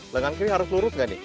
lengan kiri harus lurus gak nih